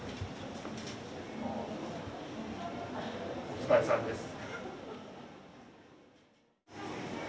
お疲れさんです。